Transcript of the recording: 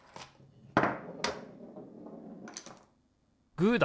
グーだ！